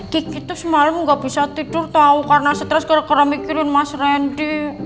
kiki itu semalam enggak bisa tidur tau karena stress kira kira mikirin mas rendy